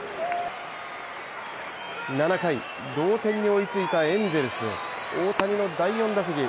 ７回、同点に追いついたエンゼルス、大谷の第４打席